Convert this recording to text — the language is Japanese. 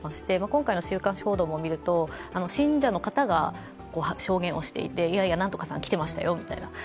今回の週刊誌報道も見ると信者の方が証言をしていていやいやなんとかさん来てましたよみたいな。